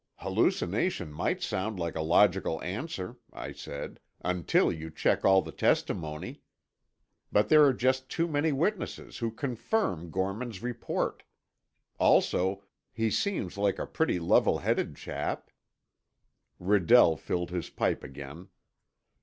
'" "Hallucination might sound like a logical answer," I said, "until you check all the testimony. But there are just too many witnesses who confirm Gorman's report. Also, he seems like a pretty level headed chap." Redell filled his pipe again.